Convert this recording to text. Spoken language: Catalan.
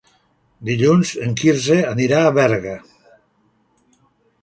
Dilluns en Quirze anirà a Berga.